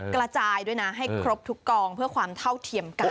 กระจายด้วยนะให้ครบทุกกองเพื่อความเท่าเทียมกัน